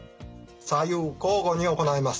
左右交互に行います。